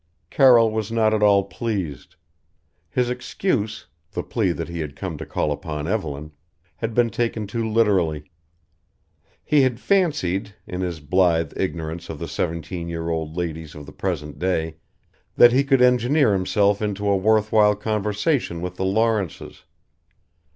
Carroll was not at all pleased. His excuse the plea that he had come to call upon Evelyn had been taken too literally. He had fancied in his blithe ignorance of the seventeen year old ladies of the present day that he could engineer himself into a worthwhile conversation with the Lawrences.